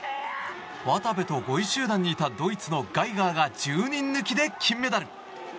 渡部と５位集団にいたドイツのガイガーが１０人抜きで金メダル。